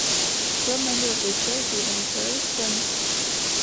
Some member of the church even encouraged him.